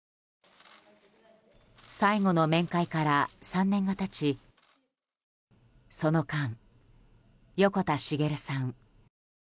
最後の面会から３年が経ちその間、横田滋さん